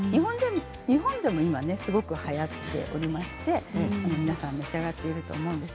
日本でも今すごくはやっておりまして皆さん召し上がっていると思います。